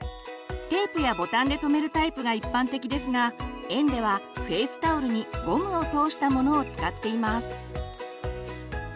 テープやボタンで留めるタイプが一般的ですが園ではフェイスタオルにゴムを通したものを使っています。